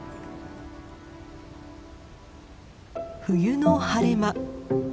冬の晴れ間。